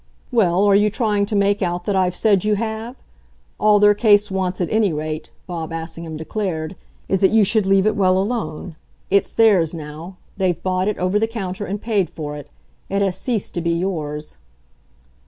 "Well, are you trying to make out that I've said you have? All their case wants, at any rate," Bob Assingham declared, "is that you should leave it well alone. It's theirs now; they've bought it, over the counter, and paid for it. It has ceased to be yours."